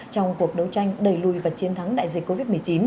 trong cuộc đấu tranh đẩy lùi và chiến thắng đại dịch covid một mươi chín